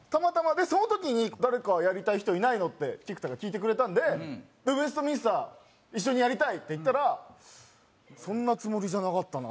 でその時に「誰かやりたい人いないの？」って菊田が聞いてくれたんで「ウエストミンスター一緒にやりたい」って言ったら「そんなつもりじゃなかったな」みたいな。